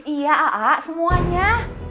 iya a'a semuanya